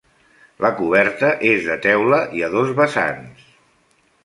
La coberta és de teula i a dos vessants.